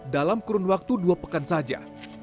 dalam kurun waktu dua pekan saja